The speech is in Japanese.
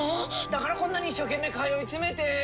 だから、こんなに一所懸命通いつめて。